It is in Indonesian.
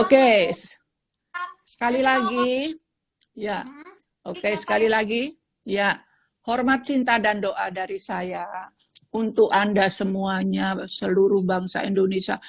oke sekali lagi ya oke sekali lagi ya hormat cinta dan doa dari saya untuk anda semuanya seluruh bangsa indonesia